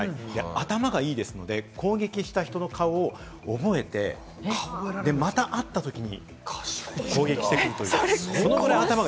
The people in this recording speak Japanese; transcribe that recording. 頭がいいですから、攻撃した人の顔を覚えてまた会ったときに攻撃してくるという。